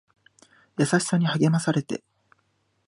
優しさに励まされて